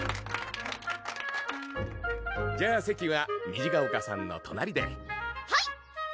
じゃあ席は虹ヶ丘さんの隣ではい！